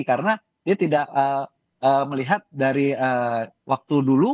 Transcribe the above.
karena dia tidak melihat dari waktu dulu